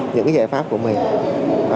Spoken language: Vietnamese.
những cái giải pháp của mình